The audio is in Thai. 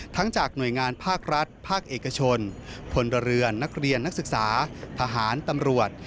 จากหน่วยงานภาครัฐภาคเอกชนพลเรือนนักเรียนนักศึกษาทหารตำรวจ